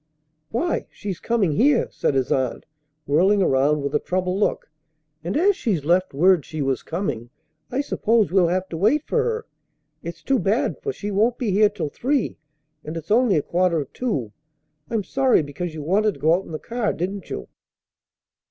"Why, she's coming here!" said his aunt, whirling around with a troubled look. "And, as she's left word she was coming, I suppose we'll have to wait for her. It's too bad, for she won't be here till three, and it's only a quarter of two. I'm sorry, because you wanted to go out in the car, didn't you?"